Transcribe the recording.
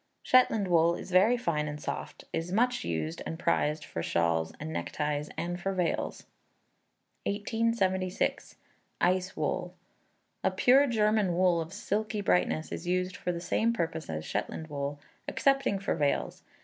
Shetland wool is very fine and soft, is much used, and prized for shawls and neckties and for veils. 1876. Eis Wool. A pure German wool of silky brightness, is used for the same purpose as Shetland wool excepting for veils.